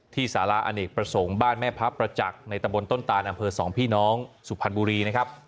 สาระอเนกประสงค์บ้านแม่พระประจักษ์ในตะบนต้นตานอำเภอสองพี่น้องสุพรรณบุรีนะครับ